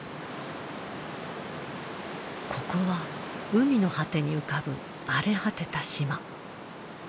ここは海の果てに浮かぶ荒れ果てた島。